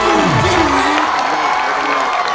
จุดจริง